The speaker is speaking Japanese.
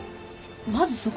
まずそこ？